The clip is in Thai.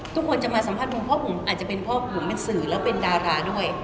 ทุกคนจะมาสัมภาษณ์ผมเพราะผมอาจจะเป็นเพราะผมเป็นสื่อแล้วเป็นดาราด้วย